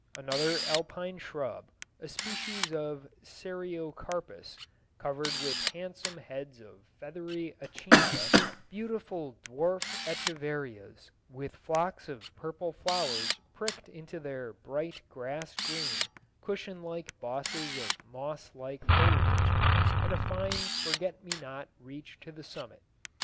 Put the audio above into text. Another alpine shrub, a species of sericocarpus, covered with handsome heads of feathery achenia, beautiful dwarf echiverias with flocks of purple flowers pricked into their bright grass green, cushion like bosses of moss like foliage, and a fine forget me not reach to the summit.